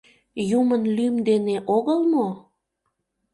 Юмын лӱм дене огыл мо?..